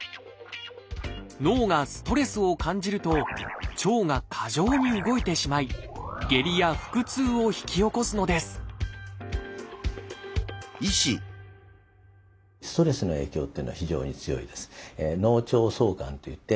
脳がストレスを感じると腸が過剰に動いてしまい下痢や腹痛を引き起こすのですさて